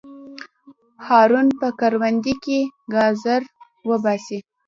هارون په کرندي سره ګازر وباسي.